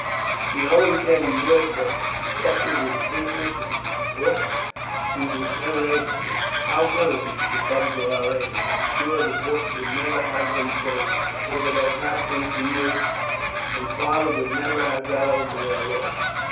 He always said he would, but what with his business and his books he was never able to. How good of you to come to our aid! I am sure the books would never have been saved if it had not been for you, and father would never have got over their loss."